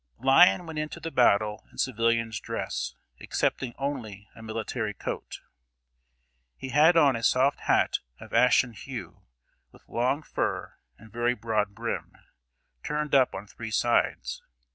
] Lyon went into the battle in civilian's dress, excepting only a military coat. He had on a soft hat of ashen hue, with long fur and very broad brim, turned up on three sides.